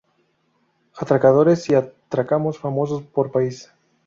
Atracadores y atracos famosos por país